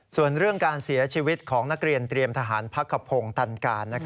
ส่วนเรื่องการเสียชีวิตของนักเรียนเตรียมทหารพักขพงศ์ตันการ